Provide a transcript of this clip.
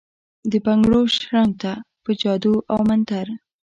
دبنګړو شرنګ ته ، په جادو اومنتر ،